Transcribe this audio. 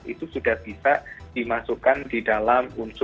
itu sudah bisa dimasukkan di dalam unsur